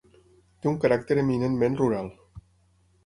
Té un caràcter eminentment rural.